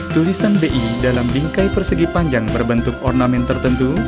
tulisan bi dalam bingkai persegi panjang berbentuk ornamen tertentu